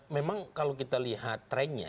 memang kalau kita lihat trennya